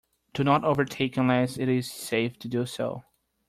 Do not overtake unless it is safe to do so.